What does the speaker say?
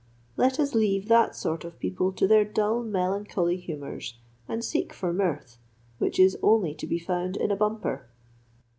Let us leave that sort of people to their dull melancholy humours, and seek for mirth, which is only to be found in a bumper."